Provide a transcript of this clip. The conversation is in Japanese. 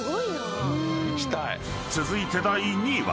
［続いて第２位は］